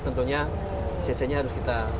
tentunya cc nya harus kita